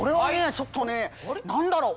ちょっとね何だろう？